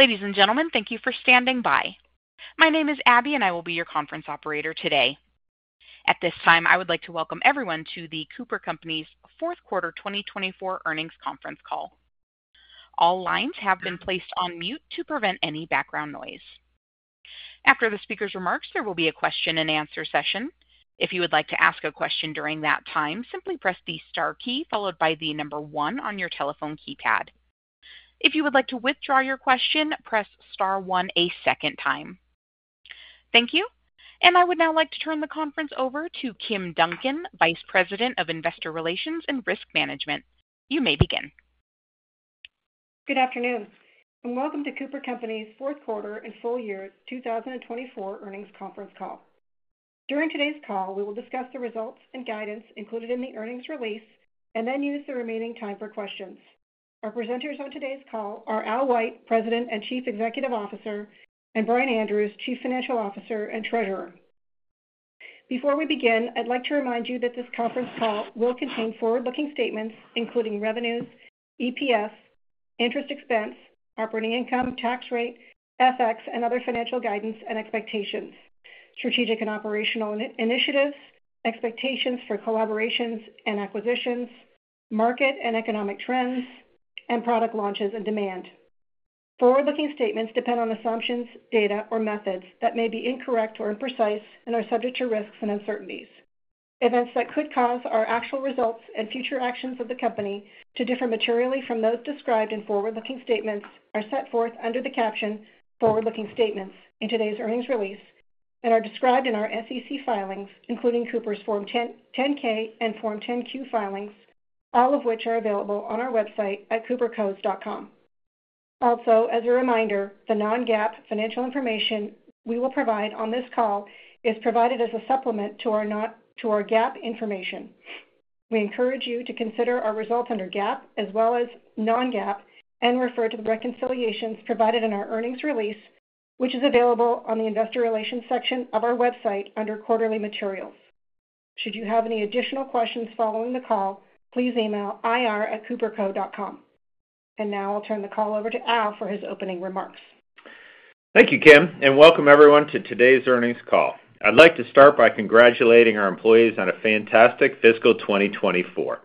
Ladies and gentlemen, thank you for standing by. My name is Abby, and I will be your conference operator today. At this time, I would like to welcome everyone to the Cooper Companies Fourth Quarter 2024 earnings conference call. All lines have been placed on mute to prevent any background noise. After the speaker's remarks, there will be a question-and-answer session. If you would like to ask a question during that time, simply press the star key followed by the number one on your telephone keypad. If you would like to withdraw your question, press star one a second time. Thank you. And I would now like to turn the conference over to Kim Duncan, Vice President of Investor Relations and Risk Management. You may begin. Good afternoon, and welcome to CooperCompanies Fourth Quarter and Full Year 2024 earnings conference call. During today's call, we will discuss the results and guidance included in the earnings release and then use the remaining time for questions. Our presenters on today's call are Al White, President and Chief Executive Officer, and Brian Andrews, Chief Financial Officer and Treasurer. Before we begin, I'd like to remind you that this conference call will contain forward-looking statements including revenues, EPS, interest expense, operating income, tax rate, FX, and other financial guidance and expectations, strategic and operational initiatives, expectations for collaborations and acquisitions, market and economic trends, and product launches and demand. Forward-looking statements depend on assumptions, data, or methods that may be incorrect or imprecise and are subject to risks and uncertainties. Events that could cause our actual results and future actions of the company to differ materially from those described in forward-looking statements are set forth under the caption "Forward-looking Statements" in today's earnings release and are described in our SEC filings, including Cooper's Form 10-K and Form 10-Q filings, all of which are available on our website at coopercos.com. Also, as a reminder, the non-GAAP financial information we will provide on this call is provided as a supplement to our GAAP information. We encourage you to consider our results under GAAP as well as non-GAAP and refer to the reconciliations provided in our earnings release, which is available on the Investor Relations section of our website under Quarterly Materials. Should you have any additional questions following the call, please email ir@coopercos.com. And now I'll turn the call over to Al for his opening remarks. Thank you, Kim, and welcome everyone to today's earnings call. I'd like to start by congratulating our employees on a fantastic fiscal 2024.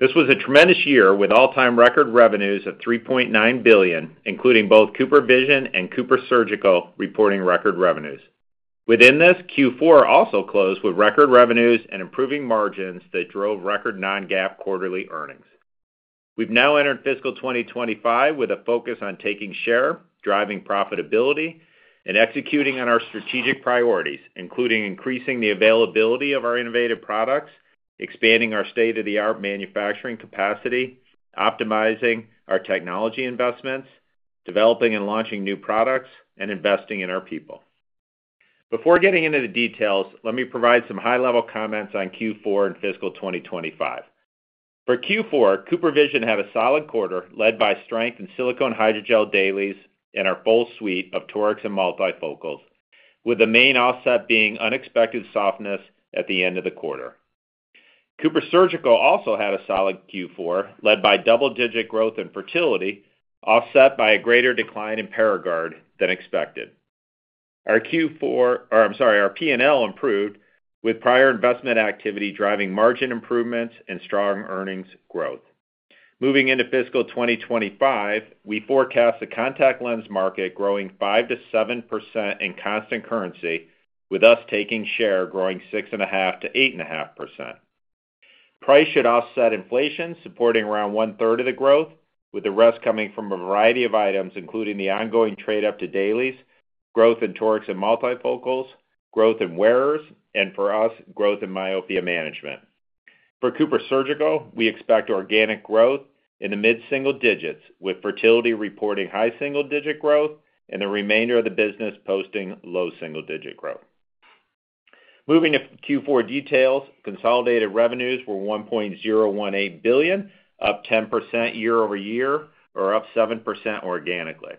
This was a tremendous year with all-time record revenues of $3.9 billion, including both CooperVision and CooperSurgical reporting record revenues. Within this, Q4 also closed with record revenues and improving margins that drove record non-GAAP quarterly earnings. We've now entered fiscal 2025 with a focus on taking share, driving profitability, and executing on our strategic priorities, including increasing the availability of our innovative products, expanding our state-of-the-art manufacturing capacity, optimizing our technology investments, developing and launching new products, and investing in our people. Before getting into the details, let me provide some high-level comments on Q4 and fiscal 2025. For Q4, CooperVision had a solid quarter led by strength in silicone hydrogel dailies and our full suite of torics and multifocals, with the main offset being unexpected softness at the end of the quarter. CooperSurgical also had a solid Q4 led by double-digit growth in fertility, offset by a greater decline in Paragard than expected. Our P&L improved, with prior investment activity driving margin improvements and strong earnings growth. Moving into fiscal 2025, we forecast the contact lens market growing 5%-7% in constant currency, with us taking share growing 6.5%-8.5%. Price should offset inflation, supporting around one-third of the growth, with the rest coming from a variety of items, including the ongoing trade-up to dailies, growth in torics and multifocals, growth in wearers, and for us, growth in myopia management. For CooperSurgical, we expect organic growth in the mid-single digits, with fertility reporting high single-digit growth and the remainder of the business posting low single-digit growth. Moving to Q4 details, consolidated revenues were $1.018 billion, up 10% year-over-year, or up 7% organically.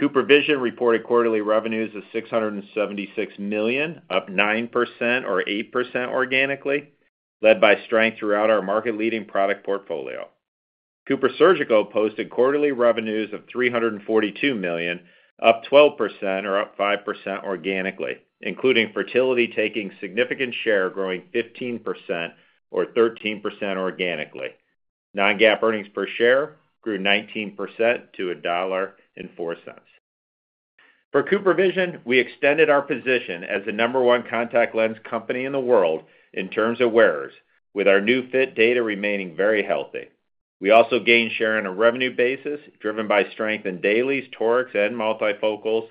CooperVision reported quarterly revenues of $676 million, up 9% or 8% organically, led by strength throughout our market-leading product portfolio. CooperSurgical posted quarterly revenues of $342 million, up 12% or up 5% organically, including fertility taking significant share, growing 15% or 13% organically. Non-GAAP earnings per share grew 19% to $1.04. For CooperVision, we extended our position as the number one contact lens company in the world in terms of wearers, with our new fit data remaining very healthy. We also gained share on a revenue basis driven by strength in dailies, torics, and multifocals,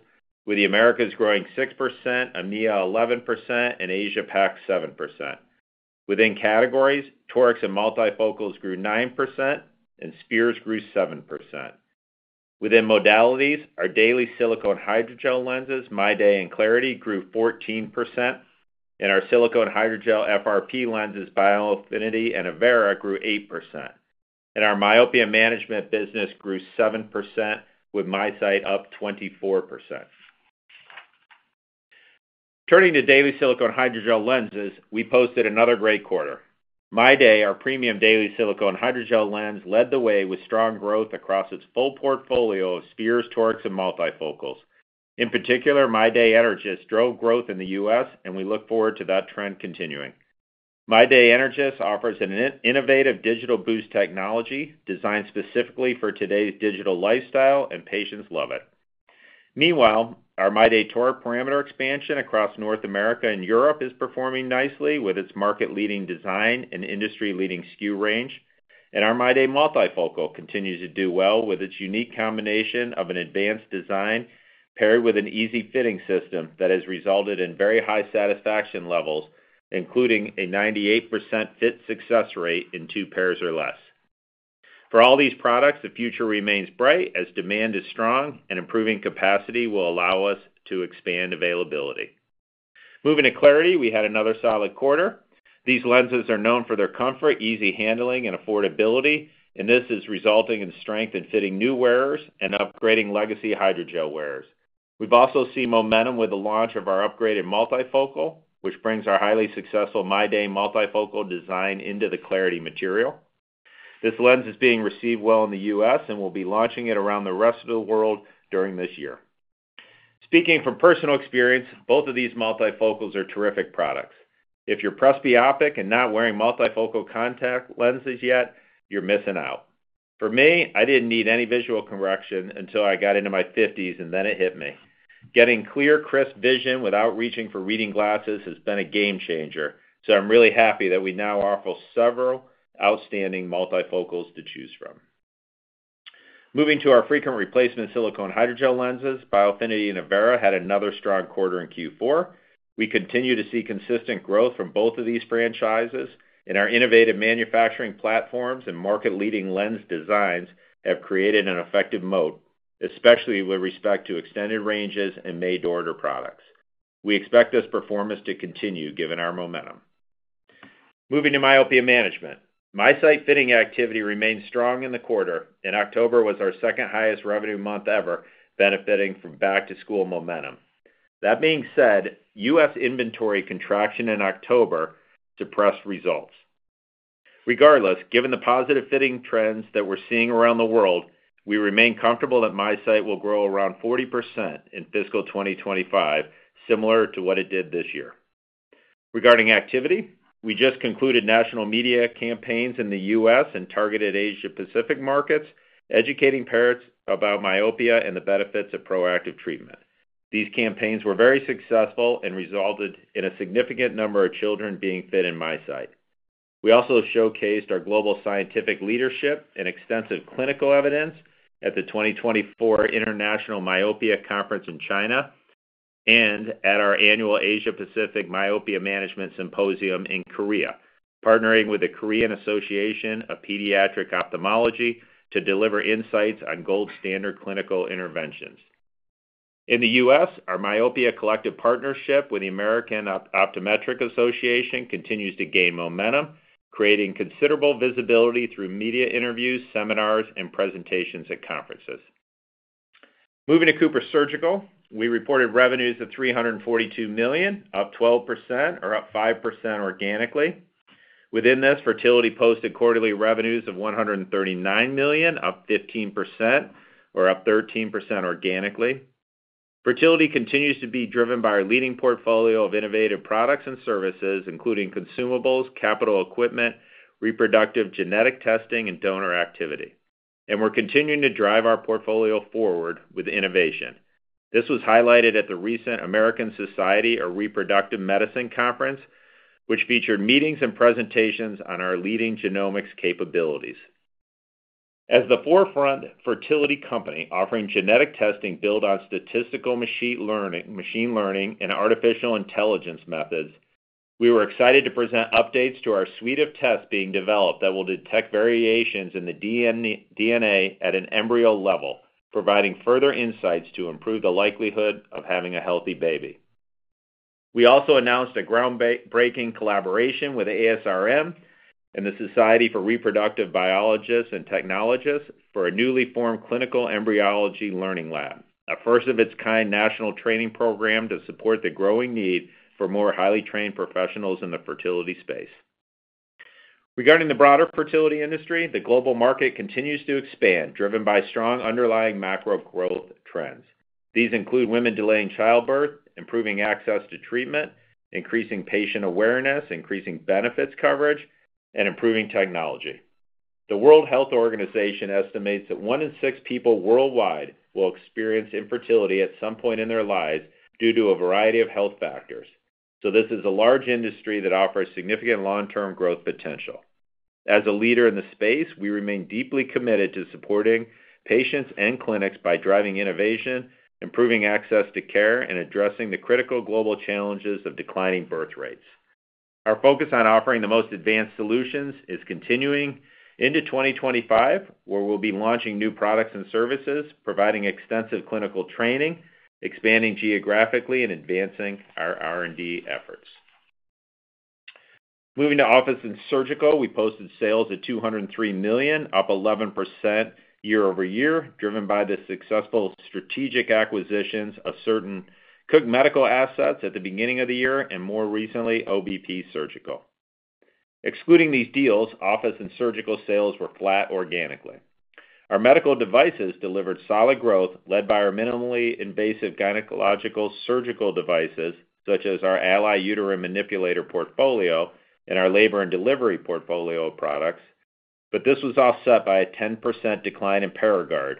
with the Americas growing 6%, EMEA 11%, and Asia-Pac 7%. Within categories, torics and multifocals grew 9%, and spheres grew 7%. Within modalities, our daily silicone hydrogel lenses, MyDay and Clariti, grew 14%, and our silicone hydrogel FRP lenses, Biofinity and Avaira, grew 8%. And our myopia management business grew 7%, with MiSight up 24%. Turning to daily silicone hydrogel lenses, we posted another great quarter. MyDay, our premium daily silicone hydrogel lens, led the way with strong growth across its full portfolio of spheres, torics, and multifocals. In particular, MyDay Energys drove growth in the US, and we look forward to that trend continuing. MyDay Energys offers an innovative DigitalBoost technology designed specifically for today's digital lifestyle, and patients love it. Meanwhile, our MyDay toric parameter expansion across North America and Europe is performing nicely with its market-leading design and industry-leading SKU range, and our MyDay multifocal continues to do well with its unique combination of an advanced design paired with an easy-fitting system that has resulted in very high satisfaction levels, including a 98% fit success rate in two pairs or less. For all these products, the future remains bright as demand is strong and improving capacity will allow us to expand availability. Moving to Clariti, we had another solid quarter. These lenses are known for their comfort, easy handling, and affordability, and this is resulting in strength and fitting new wearers and upgrading legacy hydrogel wearers. We've also seen momentum with the launch of our upgraded multifocal, which brings our highly successful MyDay multifocal design into the Clariti material. This lens is being received well in the U.S. and will be launching it around the rest of the world during this year. Speaking from personal experience, both of these multifocals are terrific products. If you're presbyopic and not wearing multifocal contact lenses yet, you're missing out. For me, I didn't need any visual correction until I got into my 50s, and then it hit me. Getting clear, crisp vision without reaching for reading glasses has been a game changer, so I'm really happy that we now offer several outstanding multifocals to choose from. Moving to our frequent replacement silicone hydrogel lenses, Biofinity and Avaira had another strong quarter in Q4. We continue to see consistent growth from both of these franchises, and our innovative manufacturing platforms and market-leading lens designs have created an effective moat, especially with respect to extended ranges and made-to-order products. We expect this performance to continue given our momentum. Moving to myopia management, MiSight fitting activity remained strong in the quarter, and October was our second highest revenue month ever, benefiting from back-to-school momentum. That being said, U.S. inventory contraction in October suppressed results. Regardless, given the positive fitting trends that we're seeing around the world, we remain comfortable that MiSight will grow around 40% in fiscal 2025, similar to what it did this year. Regarding activity, we just concluded national media campaigns in the U.S. and targeted Asia-Pacific markets, educating parents about myopia and the benefits of proactive treatment. These campaigns were very successful and resulted in a significant number of children being fit in MiSight. We also showcased our global scientific leadership and extensive clinical evidence at the 2024 International Myopia Conference in China and at our annual Asia-Pacific Myopia Management Symposium in Korea, partnering with the Korean Association of Pediatric Ophthalmology to deliver insights on gold-standard clinical interventions. In the U.S., our Myopia Collective partnership with the American Optometric Association continues to gain momentum, creating considerable visibility through media interviews, seminars, and presentations at conferences. Moving to CooperSurgical, we reported revenues of $342 million, up 12% or up 5% organically. Within this, fertility posted quarterly revenues of $139 million, up 15% or up 13% organically. Fertility continues to be driven by our leading portfolio of innovative products and services, including consumables, capital equipment, reproductive genetic testing, and donor activity. And we're continuing to drive our portfolio forward with innovation. This was highlighted at the recent American Society of Reproductive Medicine Conference, which featured meetings and presentations on our leading genomics capabilities. As the forefront fertility company offering genetic testing built on statistical machine learning and artificial intelligence methods, we were excited to present updates to our suite of tests being developed that will detect variations in the DNA at an embryo level, providing further insights to improve the likelihood of having a healthy baby. We also announced a groundbreaking collaboration with ASRM and the Society for Reproductive Biologists and Technologists for a newly formed clinical embryology learning lab, a first-of-its-kind national training program to support the growing need for more highly trained professionals in the fertility space. Regarding the broader fertility industry, the global market continues to expand, driven by strong underlying macro growth trends. These include women delaying childbirth, improving access to treatment, increasing patient awareness, increasing benefits coverage, and improving technology. The World Health Organization estimates that one in six people worldwide will experience infertility at some point in their lives due to a variety of health factors. So this is a large industry that offers significant long-term growth potential. As a leader in the space, we remain deeply committed to supporting patients and clinics by driving innovation, improving access to care, and addressing the critical global challenges of declining birth rates. Our focus on offering the most advanced solutions is continuing into 2025, where we'll be launching new products and services, providing extensive clinical training, expanding geographically, and advancing our R&D efforts. Moving to Office and Surgical, we posted sales at $203 million, up 11% year-over-year, driven by the successful strategic acquisitions of certain Cook Medical assets at the beginning of the year and more recently OBP Surgical. Excluding these deals, Office and Surgical sales were flat organically. Our medical devices delivered solid growth, led by our minimally invasive gynecological surgical devices, such as our Ally Uterine Manipulator portfolio and our labor and delivery portfolio products, but this was offset by a 10% decline in Paragard,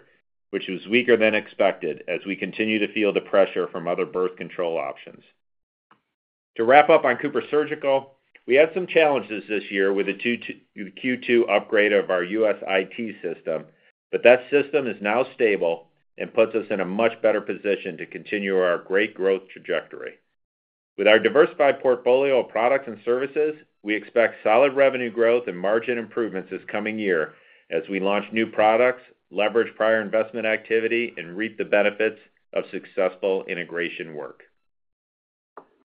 which was weaker than expected as we continue to feel the pressure from other birth control options. To wrap up on CooperSurgical, we had some challenges this year with the Q2 upgrade of our U.S. IT system, but that system is now stable and puts us in a much better position to continue our great growth trajectory. With our diversified portfolio of products and services, we expect solid revenue growth and margin improvements this coming year as we launch new products, leverage prior investment activity, and reap the benefits of successful integration work.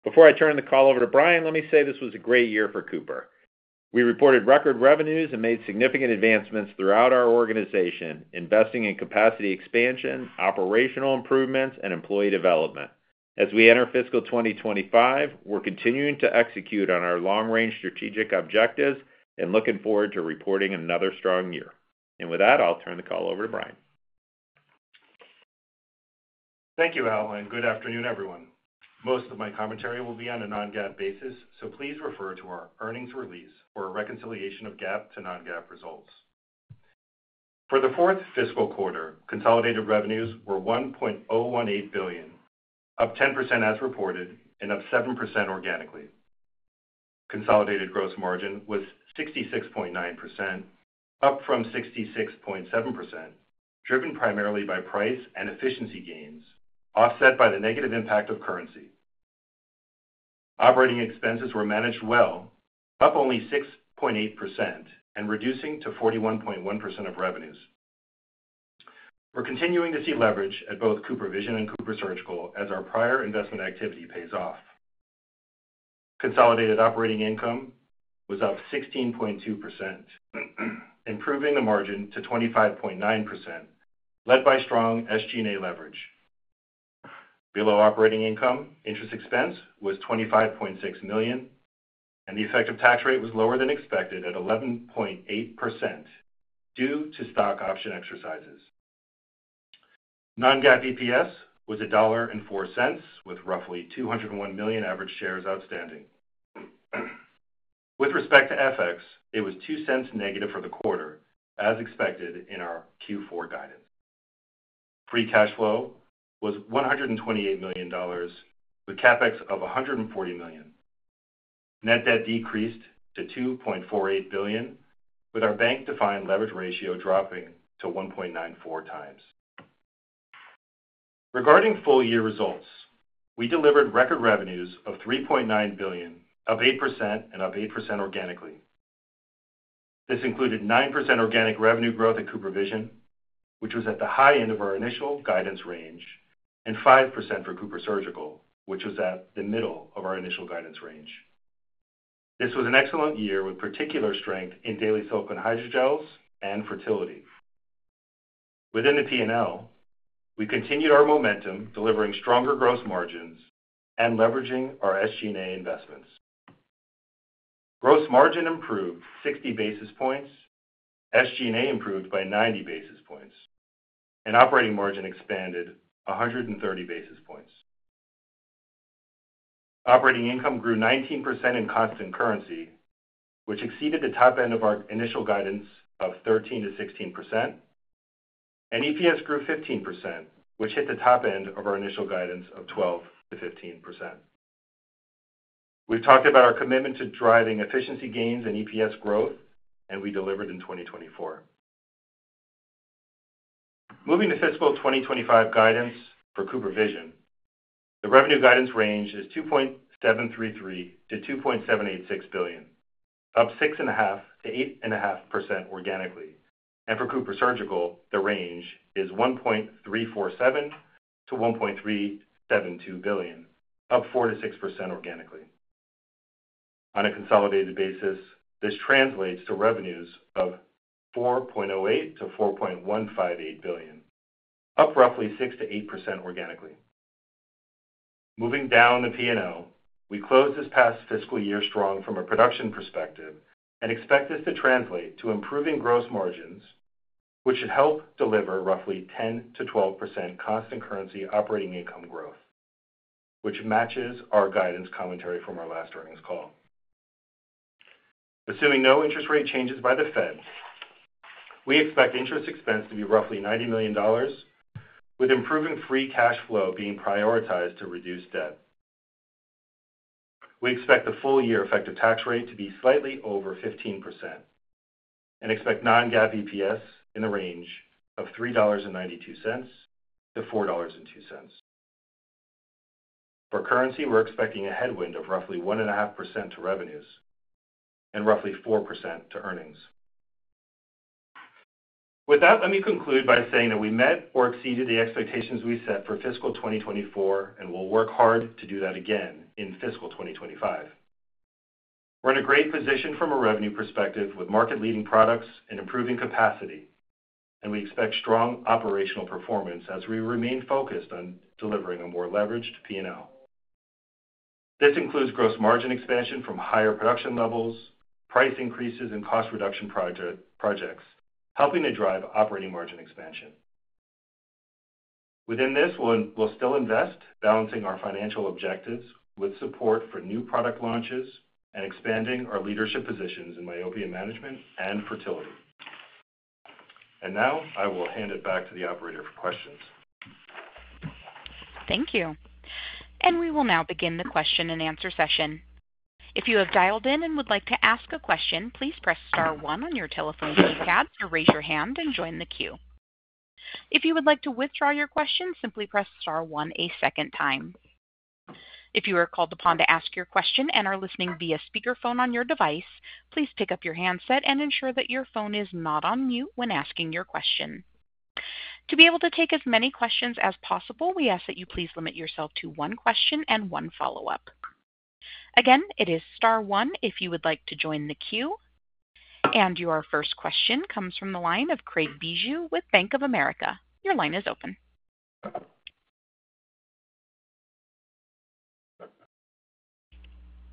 Before I turn the call over to Brian, let me say this was a great year for Cooper. We reported record revenues and made significant advancements throughout our organization, investing in capacity expansion, operational improvements, and employee development. As we enter fiscal 2025, we're continuing to execute on our long-range strategic objectives and looking forward to reporting another strong year. And with that, I'll turn the call over to Brian. Thank you, Al. And good afternoon, everyone. Most of my commentary will be on a non-GAAP basis, so please refer to our earnings release for a reconciliation of GAAP to non-GAAP results. For the fourth fiscal quarter, consolidated revenues were $1.018 billion, up 10% as reported and up 7% organically. Consolidated gross margin was 66.9%, up from 66.7%, driven primarily by price and efficiency gains, offset by the negative impact of currency. Operating expenses were managed well, up only 6.8% and reducing to 41.1% of revenues. We're continuing to see leverage at both CooperVision and CooperSurgical as our prior investment activity pays off. Consolidated operating income was up 16.2%, improving the margin to 25.9%, led by strong SG&A leverage. Below operating income, interest expense was $25.6 million, and the effective tax rate was lower than expected at 11.8% due to stock option exercises. Non-GAAP EPS was $1.04, with roughly 201 million average shares outstanding. With respect to FX, it was $0.02 negative for the quarter, as expected in our Q4 guidance. Free cash flow was $128 million, with CapEx of $140 million. Net debt decreased to $2.48 billion, with our bank-defined leverage ratio dropping to 1.94 times. Regarding full-year results, we delivered record revenues of $3.9 billion, up 8% and up 8% organically. This included 9% organic revenue growth at CooperVision, which was at the high end of our initial guidance range, and 5% for CooperSurgical, which was at the middle of our initial guidance range. This was an excellent year with particular strength in daily silicone hydrogels and fertility. Within the P&L, we continued our momentum, delivering stronger gross margins and leveraging our SG&A investments. Gross margin improved 60 basis points, SG&A improved by 90 basis points, and operating margin expanded 130 basis points. Operating income grew 19% in constant currency, which exceeded the top end of our initial guidance of 13%-16%, and EPS grew 15%, which hit the top end of our initial guidance of 12%-15%. We've talked about our commitment to driving efficiency gains and EPS growth, and we delivered in 2024. Moving to fiscal 2025 guidance for CooperVision, the revenue guidance range is $2.733-$2.786 billion, up 6.5%-8.5% organically, and for CooperSurgical, the range is $1.347-$1.372 billion, up 4%-6% organically. On a consolidated basis, this translates to revenues of $4.08-$4.158 billion, up roughly 6%-8% organically. Moving down the P&L, we closed this past fiscal year strong from a production perspective and expect this to translate to improving gross margins, which should help deliver roughly 10%-12% constant currency operating income growth, which matches our guidance commentary from our last earnings call. Assuming no interest rate changes by the Fed, we expect interest expense to be roughly $90 million, with improving free cash flow being prioritized to reduce debt. We expect the full-year effective tax rate to be slightly over 15% and expect non-GAAP EPS in the range of $3.92-$4.02. For currency, we're expecting a headwind of roughly 1.5% to revenues and roughly 4% to earnings. With that, let me conclude by saying that we met or exceeded the expectations we set for fiscal 2024, and we'll work hard to do that again in fiscal 2025. We're in a great position from a revenue perspective with market-leading products and improving capacity, and we expect strong operational performance as we remain focused on delivering a more leveraged P&L. This includes gross margin expansion from higher production levels, price increases, and cost reduction projects, helping to drive operating margin expansion. Within this, we'll still invest, balancing our financial objectives with support for new product launches and expanding our leadership positions in myopia management and fertility, and now, I will hand it back to the operator for questions. Thank you, and we will now begin the question-and-answer session. If you have dialed in and would like to ask a question, please press star one on your telephone keypad or raise your hand and join the queue. If you would like to withdraw your question, simply press star one a second time. If you are called upon to ask your question and are listening via speakerphone on your device, please pick up your handset and ensure that your phone is not on mute when asking your question. To be able to take as many questions as possible, we ask that you please limit yourself to one question and one follow-up. Again, it is star one if you would like to join the queue, and your first question comes from the line of Craig Bijou with Bank of America. Your line is open.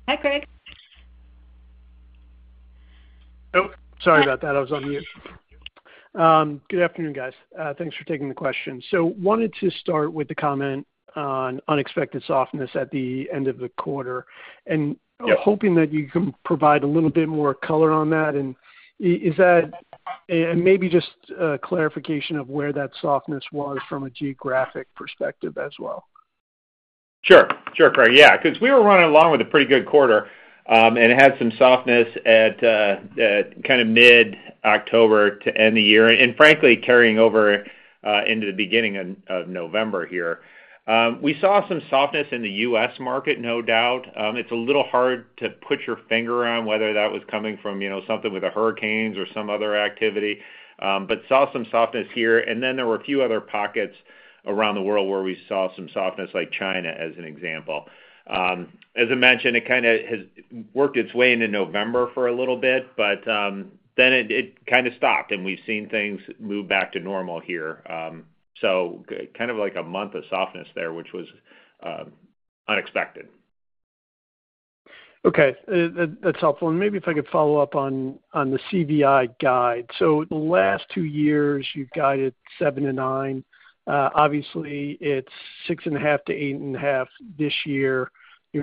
Hi, Craig. Oh, sorry about that. I was on mute. Good afternoon, guys. Thanks for taking the question. So wanted to start with the comment on unexpected softness at the end of the quarter and hoping that you can provide a little bit more color on that. Maybe just a clarification of where that softness was from a geographic perspective as well. Sure. Sure, Craig. Yeah. Because we were running along with a pretty good quarter and had some softness at kind of mid-October to end the year. Frankly, carrying over into the beginning of November here. We saw some softness in the U.S. market, no doubt. It's a little hard to put your finger on whether that was coming from something with the hurricanes or some other activity, but saw some softness here. Then there were a few other pockets around the world where we saw some softness, like China as an example. As I mentioned, it kind of has worked its way into November for a little bit, but then it kind of stopped, and we've seen things move back to normal here. So kind of like a month of softness there, which was unexpected. Okay. That's helpful. And maybe if I could follow up on the CVI guide. So the last two years, you guided seven to nine. Obviously, it's six and a half to eight and a half this year,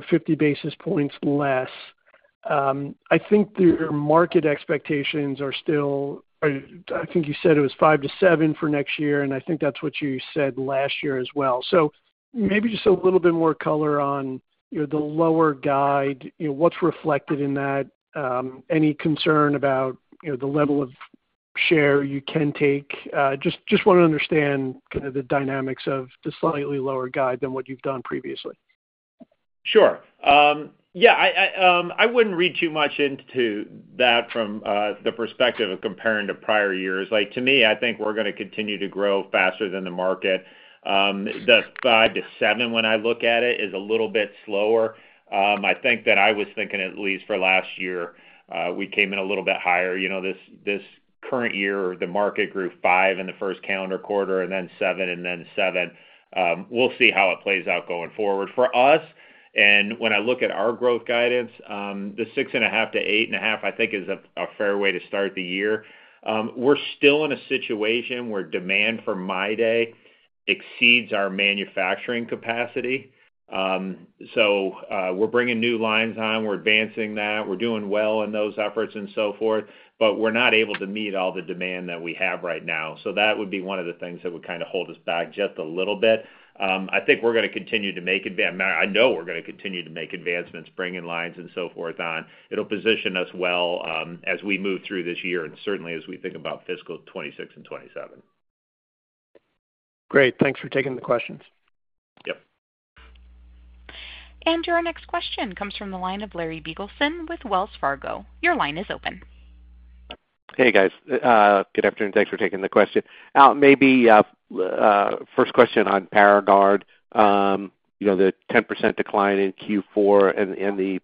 50 basis points less. I think your market expectations are still. I think you said it was five to seven for next year, and I think that's what you said last year as well. So maybe just a little bit more color on the lower guide, what's reflected in that, any concern about the level of share you can take. Just want to understand kind of the dynamics of the slightly lower guide than what you've d one previously. Sure. Yeah. I wouldn't read too much into that from the perspective of comparing to prior years. To me, I think we're going to continue to grow faster than the market. The 5%-7%, when I look at it, is a little bit slower. I think that I was thinking at least for last year, we came in a little bit higher. This current year, the market grew 5% in the first calendar quarter and then 7% and then 7%. We'll see how it plays out going forward. For us, and when I look at our growth guidance, the 6.5%-8.5%, I think, is a fair way to start the year. We're still in a situation where demand for MyDay exceeds our manufacturing capacity. So we're bringing new lines on. We're advancing that. We're doing well in those efforts and so forth, but we're not able to meet all the demand that we have right now. So that would be one of the things that would kind of hold us back just a little bit. I think we're going to continue to make advancements. I know we're going to continue to make advancements, bring in lines and so forth on. It'll position us well as we move through this year and certainly as we think about fiscal 2026 and 2027. Great. Thanks for taking the questions. Yep. And your next question comes from the line of Larry Biegelsen with Wells Fargo. Your line is open. Hey, guys. Good afternoon. Thanks for taking the question. Maybe first question on Paragard, the 10% decline in Q4 and the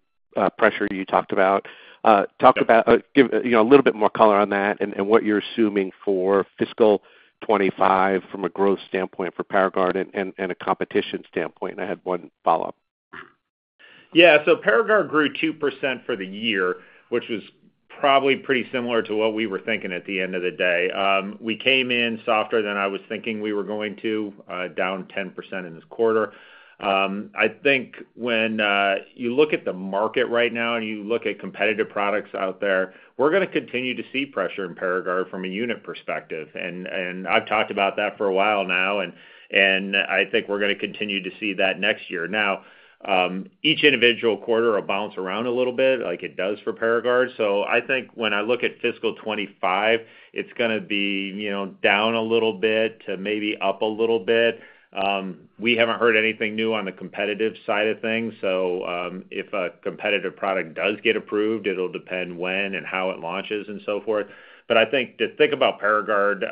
pressure you talked about. Talk about a little bit more color on that and what you're assuming for fiscal 2025 from a growth standpoint for Paragard and a competition standpoint. I had one follow-up. Yeah. Paragard grew 2% for the year, which was probably pretty similar to what we were thinking at the end of the day. We came in softer than I was thinking we were going to, down 10% in this quarter. I think when you look at the market right now and you look at competitive products out there, we're going to continue to see pressure in Paragard from a unit perspective. And I've talked about that for a while now, and I think we're going to continue to see that next year. Now, each individual quarter will bounce around a little bit like it does for Paragard. So I think when I look at fiscal 2025, it's going to be down a little bit to maybe up a little bit. We haven't heard anything new on the competitive side of things. So if a competitive product does get approved, it'll depend when and how it launches and so forth. But I think to think about Paragard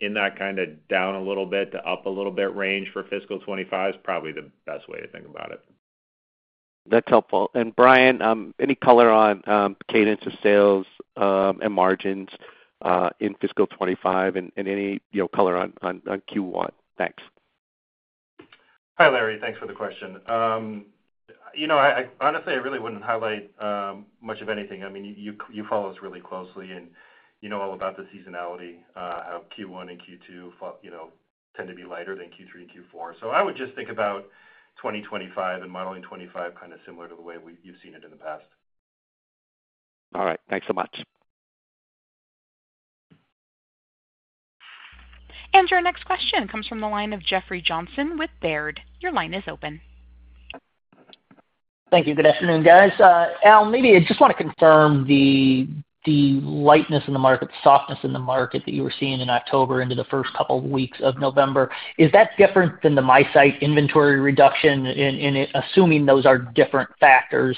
in that kind of down a little bit to up a little bit range for fiscal 25 is probably the best way to think about it. That's helpful. And Brian, any color on cadence of sales and margins in fiscal 25 and any color on Q1? Thanks. Hi, Larry. Thanks for the question. Honestly, I really wouldn't highlight much of anything. I mean, you follow us really closely and you know all about the seasonality, how Q1 and Q2 tend to be lighter than Q3 and Q4. So I would just think about 2025 and modeling 25 kind of similar to the way you've seen it in the past. All right. Thanks so much. Your next question comes from the line of Jeffrey Johnson with Baird. Your line is open. Thank you. Good afternoon, guys. Al, maybe I just want to confirm the lightness in the market, the softness in the market that you were seeing in October into the first couple of weeks of November. Is that different than the MiSight inventory reduction? And assuming those are different factors,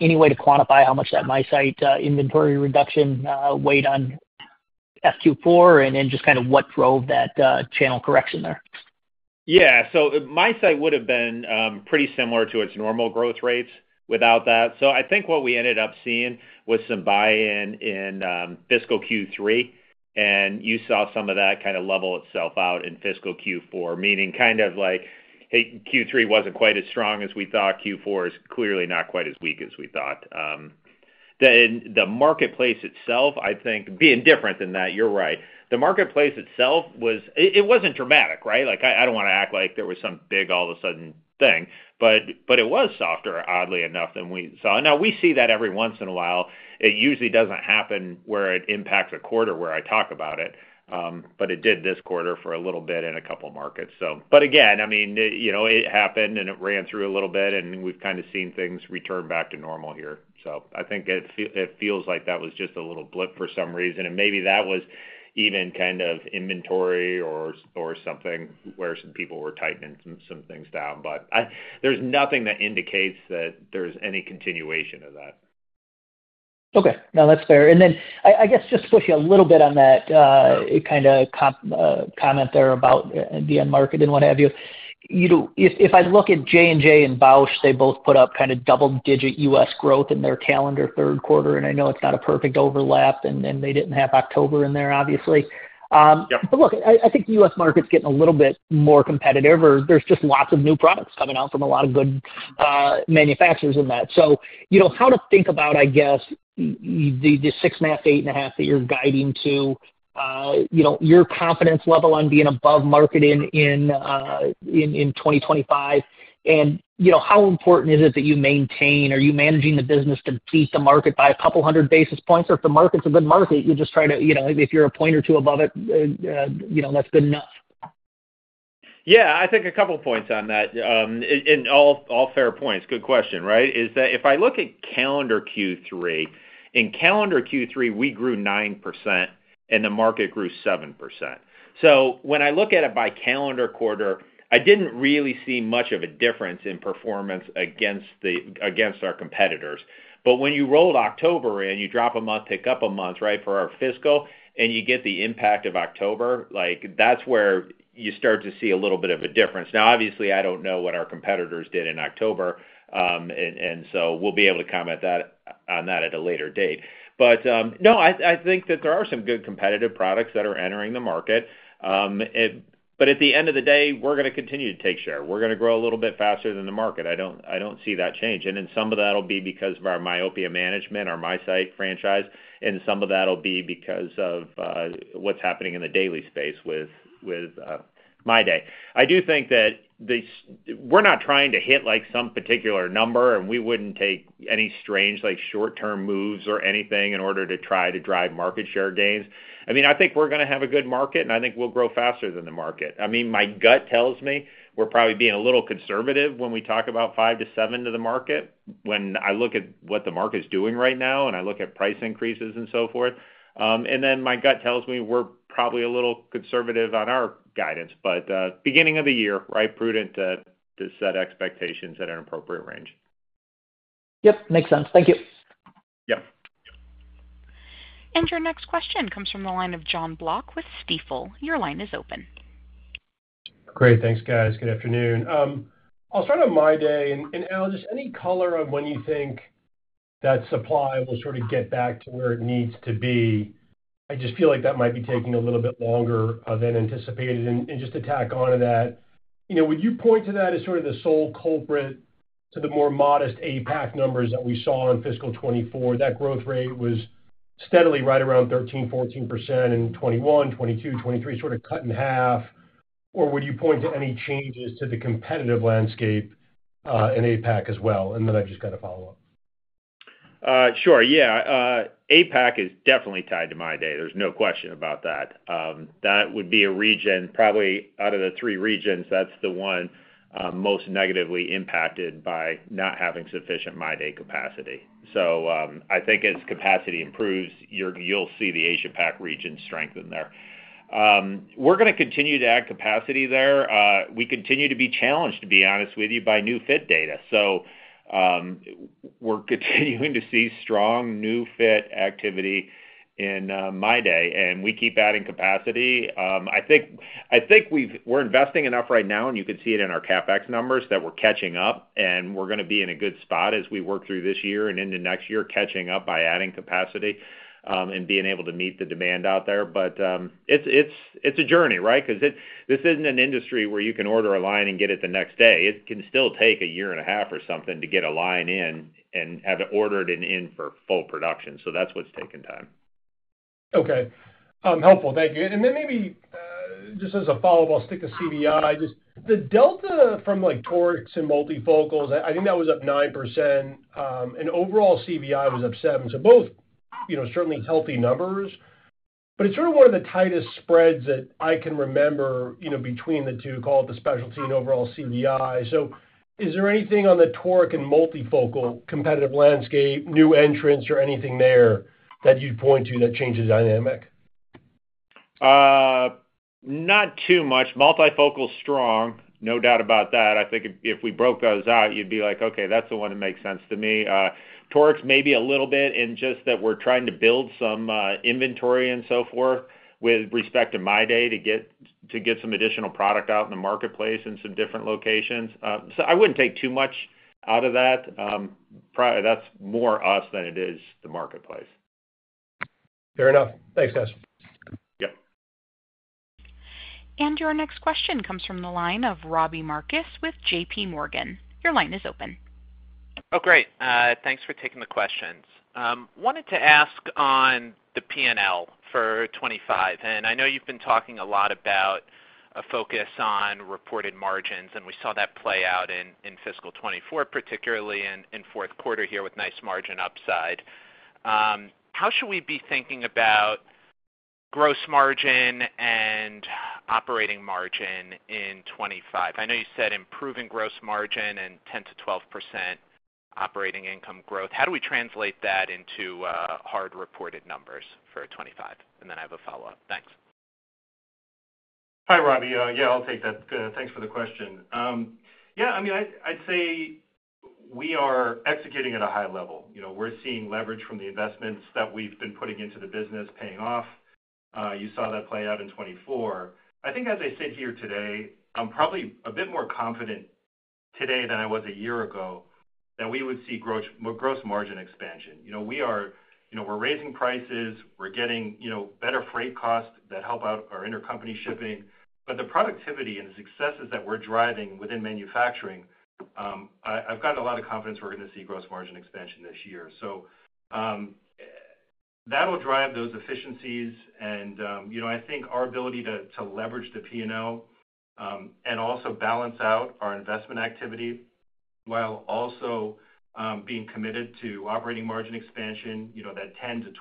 any way to quantify how much that MiSight inventory reduction weighed on FQ4 and just kind of what drove that channel correction there? Yeah. So MiSight would have been pretty similar to its normal growth rates without that. So I think what we ended up seeing was some buy-in in fiscal Q3, and you saw some of that kind of level itself out in fiscal Q4, meaning kind of like Q3 wasn't quite as strong as we thought. Q4 is clearly not quite as weak as we thought. The marketplace itself, I think, being different than that, you're right. The marketplace itself wasn't dramatic, right? I don't want to act like there was some big all-of-a-sudden thing, but it was softer, oddly enough, than we saw. Now, we see that every once in a while. It usually doesn't happen where it impacts a quarter where I talk about it, but it did this quarter for a little bit in a couple of markets, so. But again, I mean, it happened and it ran through a little bit, and we've kind of seen things return back to normal here. So I think it feels like that was just a little blip for some reason, and maybe that was even kind of inventory or something where some people were tightening some things down. But there's nothing that indicates that there's any continuation of that. Okay. No, that's fair. And then I guess just to push you a little bit on that kind of comment there about the end market and what have you, if I look at J&J and Bausch, they both put up kind of double-digit U.S. growth in their calendar third quarter. And I know it's not a perfect overlap, and they didn't have October in there, obviously. But look, I think the U.S. market's getting a little bit more competitive, or there's just lots of new products coming out from a lot of good manufacturers in that. So how to think about, I guess, the six and a half, eight and a half that you're guiding to, your confidence level on being above market in 2025, and how important is it that you maintain? Are you managing the business to beat the market by a couple hundred basis points? Or if the market's a good market, you just try to if you're a point or two above it, that's good enough? Yeah. I think a couple points on that. All fair points. Good question, right? Is that if I look at calendar Q3, in calendar Q3, we grew 9%, and the market grew 7%. So when I look at it by calendar quarter, I didn't really see much of a difference in performance against our competitors, but when you rolled October and you drop a month, pick up a month, right, for our fiscal, and you get the impact of October, that's where you start to see a little bit of a difference. Now, obviously, I don't know what our competitors did in October, and so we'll be able to comment on that at a later date. But no, I think that there are some good competitive products that are entering the market. But at the end of the day, we're going to continue to take share. We're going to grow a little bit faster than the market. I don't see that change. And then some of that will be because of our Myopia management, our MiSight franchise, and some of that will be because of what's happening in the daily space with MyDay. I do think that we're not trying to hit some particular number, and we wouldn't take any strange short-term moves or anything in order to try to drive market share gains. I mean, I think we're going to have a good market, and I think we'll grow faster than the market. I mean, my gut tells me we're probably being a little conservative when we talk about five to seven to the market when I look at what the market's doing right now and I look at price increases and so forth. And then my gut tells me we're probably a little conservative on our guidance, but beginning of the year, right, prudent to set expectations at an appropriate range. Yep. Makes sense. Thank you. Yep. And your next question comes from the line of John Block with Stifel. Your line is open. Great. Thanks, guys. Good afternoon. I'll start on MyDay. And Al, just any color on when you think that supply will sort of get back to where it needs to be? I just feel like that might be taking a little bit longer than anticipated. And just to tack on to that, would you point to that as sort of the sole culprit to the more modest APAC numbers that we saw in fiscal 2024? That growth rate was steadily right around 13%-14% in 2021, 2022, 2023, sort of cut in half. Or would you point to any changes to the competitive landscape in APAC as well? And then I've just got to follow up. Sure. Yeah. APAC is definitely tied to MyDay. There's no question about that. That would be a region, probably out of the three regions, that's the one most negatively impacted by not having sufficient MyDay capacity. So I think as capacity improves, you'll see the Asia-Pacific region strengthen there. We're going to continue to add capacity there. We continue to be challenged, to be honest with you, by new fit data. So we're continuing to see strong new fit activity in MyDay, and we keep adding capacity. I think we're investing enough right now, and you can see it in our CapEx numbers, that we're catching up, and we're going to be in a good spot as we work through this year and into next year catching up by adding capacity and being able to meet the demand out there. But it's a journey, right? Because this isn't an industry where you can order a line and get it the next day. It can still take a year and a half or something to get a line in and have it ordered and in for full production. So that's what's taking time. Okay. Helpful. Thank you. And then maybe just as a follow-up, I'll stick to CVI. Just the delta from torics and multifocals, I think that was up 9%, and overall CVI was up 7%. So both certainly healthy numbers, but it's sort of one of the tightest spreads that I can remember between the two, call it the specialty and overall CVI. So is there anything on the toric and multifocal competitive landscape, new entrants, or anything there that you'd point to that changes dynamic? Not too much. Multifocal strong, no doubt about that. I think if we broke those out, you'd be like, "Okay, that's the one that makes sense to me." Torics maybe a little bit in just that we're trying to build some inventory and so forth with respect to MyDay to get some additional product out in the marketplace in some different locations. So I wouldn't take too much out of that. That's more us than it is the marketplace. Fair enough. Thanks, guys. Yep. And your next question comes from the line of Robbie Marcus with J.P. Morgan. Your line is open. Oh, great. Thanks for taking the questions. Wanted to ask on the P&L for 2025. And I know you've been talking a lot about a focus on reported margins, and we saw that play out in fiscal 2024, particularly in fourth quarter here with nice margin upside. How should we be thinking about gross margin and operating margin in 2025? I know you said improving gross margin and 10%-12% operating income growth. How do we translate that into hard reported numbers for 2025? And then I have a follow-up. Thanks. Hi, Robbie. Yeah, I'll take that. Thanks for the question. Yeah. I mean, I'd say we are executing at a high level. We're seeing leverage from the investments that we've been putting into the business paying off. You saw that play out in 2024. I think as I sit here today, I'm probably a bit more confident today than I was a year ago that we would see gross margin expansion. We are raising prices. We're getting better freight costs that help out our intercompany shipping. But the productivity and the successes that we're driving within manufacturing, I've got a lot of confidence we're going to see gross margin expansion this year. So that'll drive those efficiencies. And I think our ability to leverage the P&L and also balance out our investment activity while also being committed to operating margin expansion, that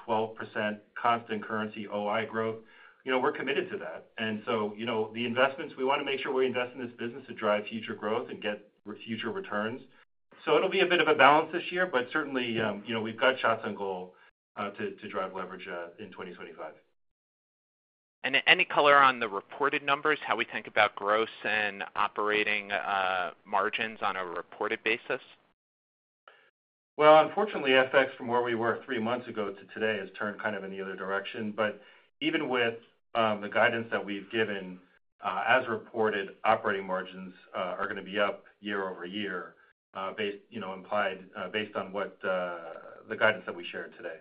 10%-12% constant currency OI growth, we're committed to that. And so the investments, we want to make sure we invest in this business to drive future growth and get future returns. So it'll be a bit of a balance this year, but certainly we've got shots on goal to drive leverage in 2025. And any color on the reported numbers, how we think about gross and operating margins on a reported basis? Well, unfortunately, FX from where we were three months ago to today has turned kind of in the other direction. But even with the guidance that we've given, as reported, operating margins are going to be up year over year, implied based on the guidance that we shared today.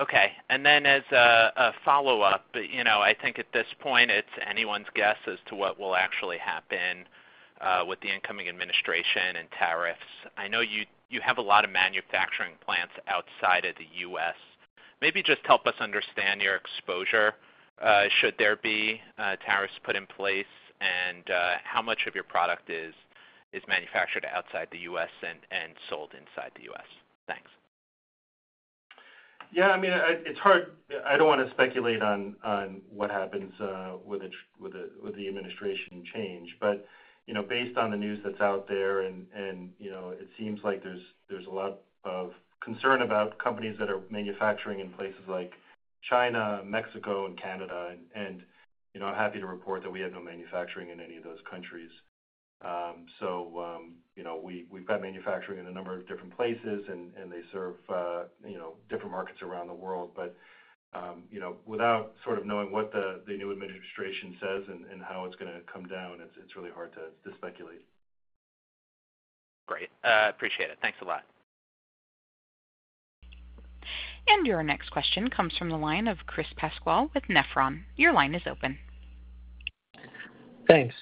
Okay. And then as a follow-up, I think at this point, it's anyone's guess as to what will actually happen with the incoming administration and tariffs. I know you have a lot of manufacturing plants outside of the U.S. Maybe just help us understand your exposure. Should there be tariffs put in place, and how much of your product is manufactured outside the U.S. and sold inside the U.S.? Thanks. Yeah. I mean, it's hard. I don't want to speculate on what happens with the administration change. But based on the news that's out there, and it seems like there's a lot of concern about companies that are manufacturing in places like China, Mexico, and Canada. And I'm happy to report that we have no manufacturing in any of those countries. So we've got manufacturing in a number of different places, and they serve different markets around the world. But without sort of knowing what the new administration says and how it's going to come down, it's really hard to speculate. Great. Appreciate it. Thanks a lot. And your next question comes from the line of Chris Pasquale with Nephron Research. Your line is open. Thanks.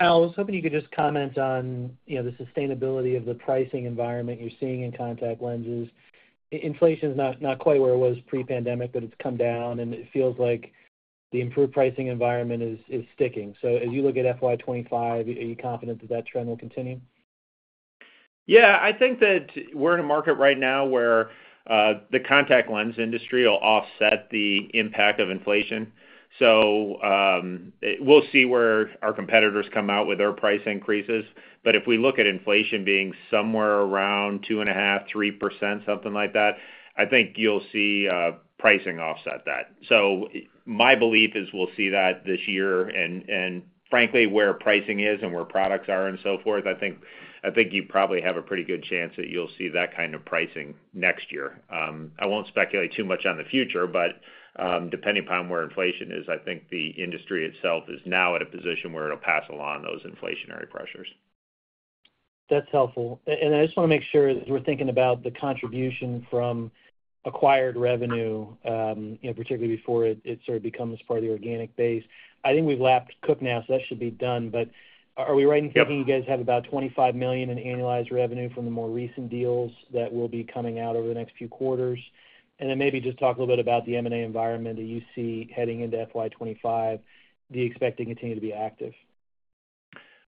Al, I was hoping you could just comment on the sustainability of the pricing environment you're seeing in contact lenses. Inflation is not quite where it was pre-pandemic, but it's come down, and it feels like the improved pricing environment is sticking. So as you look at FY25, are you confident that that trend will continue? Yeah. I think that we're in a market right now where the contact lens industry will offset the impact of inflation. So we'll see where our competitors come out with their price increases. But if we look at inflation being somewhere around 2.5%-3%, something like that, I think you'll see pricing offset that. So my belief is we'll see that this year. And frankly, where pricing is and where products are and so forth, I think you probably have a pretty good chance that you'll see that kind of pricing next year. I won't speculate too much on the future, but depending upon where inflation is, I think the industry itself is now at a position where it'll pass along those inflationary pressures. That's helpful. And I just want to make sure as we're thinking about the contribution from acquired revenue, particularly before it sort of becomes part of the organic base. I think we've lapped Cook now, so that should be done. But are we right in thinking you guys have about $25 million in annualized revenue from the more recent deals that will be coming out over the next few quarters? And then maybe just talk a little bit about the M&A environment that you see heading into FY25. Do you expect it to continue to be active?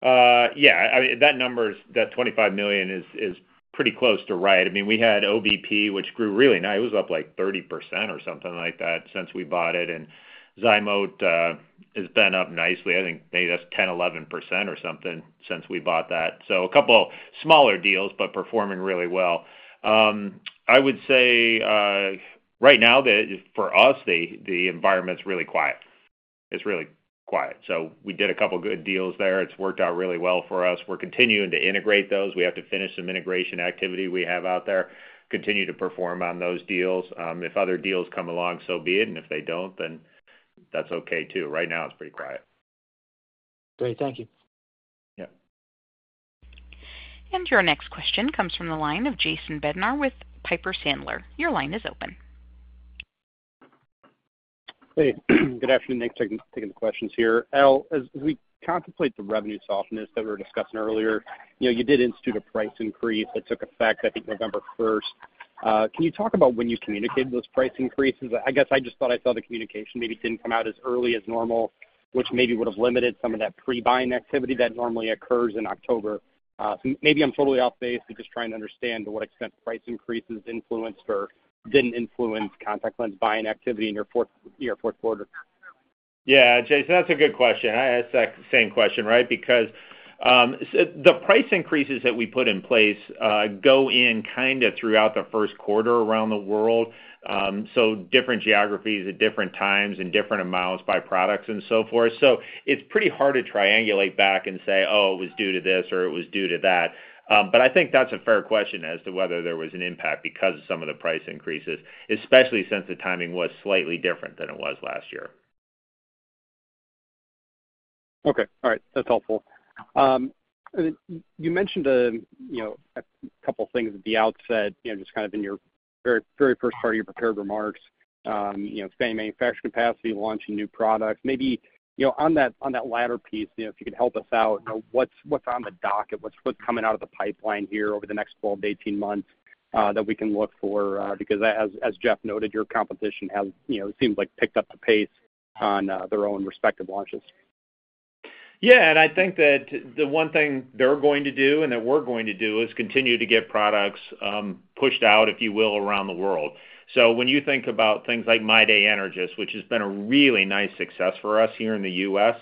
Yeah. I mean, that number, that $25 million, is pretty close to right. I mean, we had OBP, which grew really nice. It was up like 30% or something like that since we bought it. And ZyMōt has been up nicely. I think maybe that's 10%-11% or something since we bought that. So a couple smaller deals, but performing really well. I would say right now, for us, the environment's really quiet. It's really quiet. So we did a couple good deals there. It's worked out really well for us. We're continuing to integrate those. We have to finish some integration activity we have out there, continue to perform on those deals. If other deals come along, so be it. And if they don't, then that's okay too. Right now, it's pretty quiet. Great. Thank you. Yep. And your next question comes from the line of Jason Bednar with Piper Sandler. Your line is open. Hey. Good afternoon. Thanks for taking the questions here. Al, as we contemplate the revenue softness that we were discussing earlier, you did institute a price increase that took effect, I think, November 1st. Can you talk about when you communicated those price increases? I guess I just thought I saw the communication maybe didn't come out as early as normal, which maybe would have limited some of that pre-buying activity that normally occurs in October. Maybe I'm totally off base to just try and understand to what extent price increases influenced or didn't influence contact lens buying activity in your fourth quarter. Yeah. Jason, that's a good question. I asked that same question, right? Because the price increases that we put in place go in kind of throughout the first quarter around the world. So different geographies at different times and different amounts by products and so forth. So it's pretty hard to triangulate back and say, "Oh, it was due to this or it was due to that." But I think that's a fair question as to whether there was an impact because of some of the price increases, especially since the timing was slightly different than it was last year. Okay. All right. That's helpful. You mentioned a couple things at the outset, just kind of in your very first part of your prepared remarks, expanding manufacturing capacity, launching new products. Maybe on that latter piece, if you could help us out, what's on the docket? What's coming out of the pipeline here over the next 12 to 18 months that we can look for? Because as Jeff noted, your competition has seemed like picked up the pace on their own respective launches. Yeah, and I think that the one thing they're going to do and that we're going to do is continue to get products pushed out, if you will, around the world. So when you think about things like MyDay Energys, which has been a really nice success for us here in the U.S.,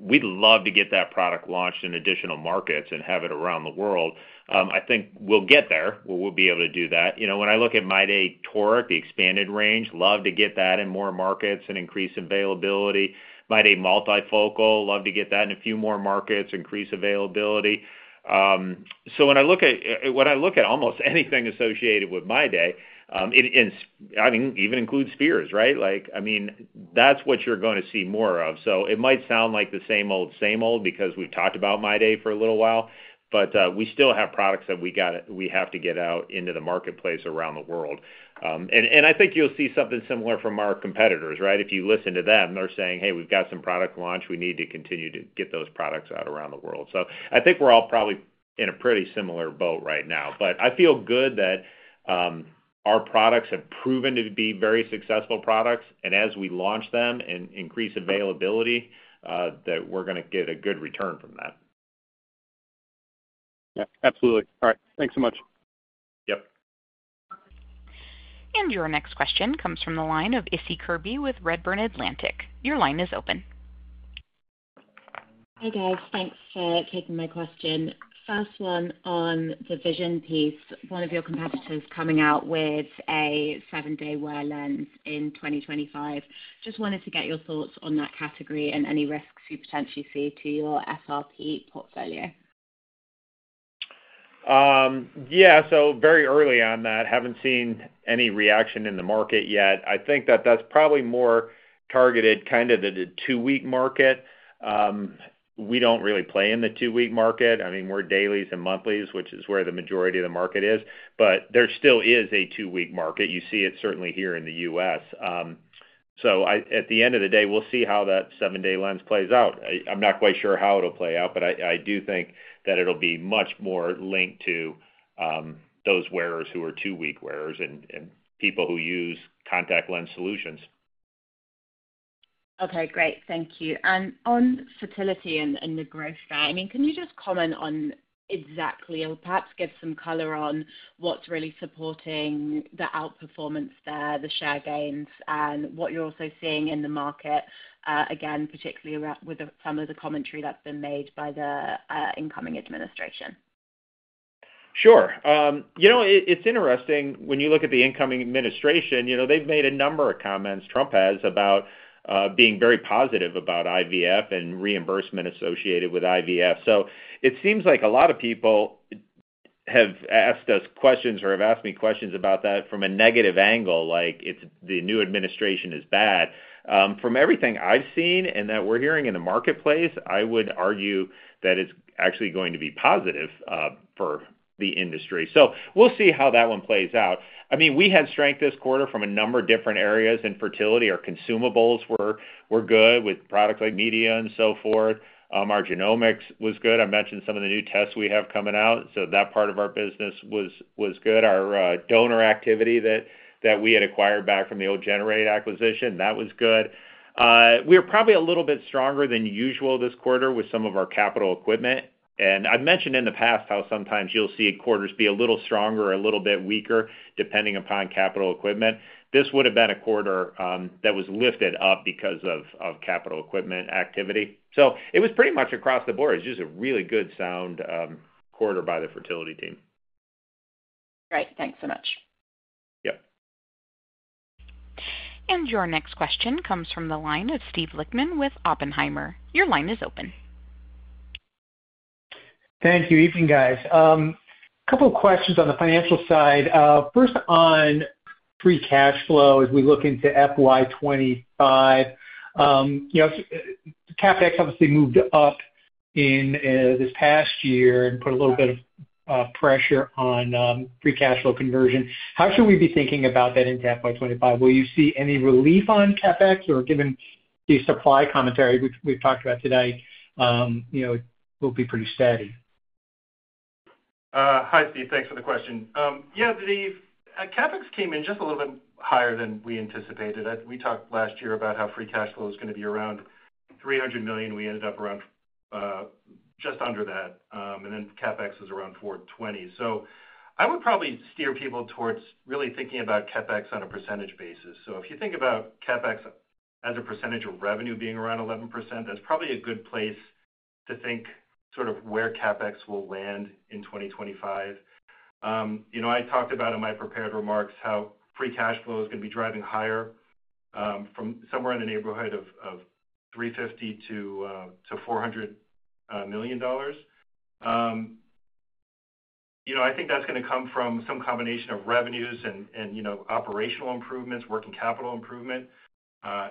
we'd love to get that product launched in additional markets and have it around the world. I think we'll get there. We'll be able to do that. When I look at MyDay toric, the expanded range, love to get that in more markets and increase availability. MyDay multifocal, love to get that in a few more markets, increase availability. So when I look at almost anything associated with MyDay, I mean, even include spheres, right? I mean, that's what you're going to see more of. So it might sound like the same old, same old because we've talked about MyDay for a little while, but we still have products that we have to get out into the marketplace around the world. And I think you'll see something similar from our competitors, right? If you listen to them, they're saying, "Hey, we've got some product launch. We need to continue to get those products out around the world." So I think we're all probably in a pretty similar boat right now. But I feel good that our products have proven to be very successful products. And as we launch them and increase availability, that we're going to get a good return from that. Yeah. Absolutely. All right. Thanks so much. Yep. And your next question comes from the line of Issie Kirby with Redburn Atlantic. Your line is open. Hi guys. Thanks for taking my question. First one on the vision piece, one of your competitors coming out with a seven-day wear lens in 2025. Just wanted to get your thoughts on that category and any risks you potentially see to your FRP portfolio. Yeah. So very early on that, haven't seen any reaction in the market yet. I think that that's probably more targeted kind of the two-week market. We don't really play in the two-week market. I mean, we're dailies and monthlies, which is where the majority of the market is. But there still is a two-week market. You see it certainly here in the U.S. So at the end of the day, we'll see how that seven-day lens plays out. I'm not quite sure how it'll play out, but I do think that it'll be much more linked to those wearers who are two-week wearers and people who use contact lens solutions. Okay. Great. Thank you. And on fertility and the growth side, I mean, can you just comment on exactly or perhaps give some color on what's really supporting the outperformance there, the share gains, and what you're also seeing in the market, again, particularly with some of the commentary that's been made by the incoming administration? Sure. It's interesting when you look at the incoming administration. They've made a number of comments. Trump has about being very positive about IVF and reimbursement associated with IVF. So it seems like a lot of people have asked us questions or have asked me questions about that from a negative angle, like the new administration is bad. From everything I've seen and that we're hearing in the marketplace, I would argue that it's actually going to be positive for the industry. So we'll see how that one plays out. I mean, we had strength this quarter from a number of different areas in fertility. Our consumables were good with products like media and so forth. Our genomics was good. I mentioned some of the new tests we have coming out. So that part of our business was good. Our donor activity that we had acquired back from the old Generate acquisition, that was good. We are probably a little bit stronger than usual this quarter with some of our capital equipment. And I've mentioned in the past how sometimes you'll see quarters be a little stronger or a little bit weaker depending upon capital equipment. This would have been a quarter that was lifted up because of capital equipment activity. So it was pretty much across the board. It's just a really good sound quarter by the fertility team. Great. Thanks so much. Yep. And your next question comes from the line of Steve Lichtman with Oppenheimer. Your line is open. Thank you. Evening, guys. A couple of questions on the financial side. First, on free cash flow as we look into FY25. CapEx obviously moved up in this past year and put a little bit of pressure on free cash flow conversion. How should we be thinking about that into FY25? Will you see any relief on CapEx? Or, given the supply commentary we've talked about today, it will be pretty steady. Hi, Steve. Thanks for the question. Yeah. The CapEx came in just a little bit higher than we anticipated. We talked last year about how free cash flow was going to be around $300 million. We ended up around just under that. And then CapEx was around $420 million. So I would probably steer people towards really thinking about CapEx on a percentage basis. So if you think about CapEx as a percentage of revenue being around 11%, that's probably a good place to think sort of where CapEx will land in 2025. I talked about in my prepared remarks how free cash flow is going to be driving higher from somewhere in the neighborhood of $350-$400 million. I think that's going to come from some combination of revenues and operational improvements, working capital improvement.